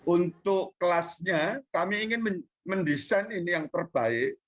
untuk kelasnya kami ingin mendesain ini yang terbaik